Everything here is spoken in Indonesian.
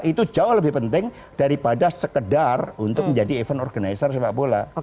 itu jauh lebih penting daripada sekedar untuk menjadi event organizer sepak bola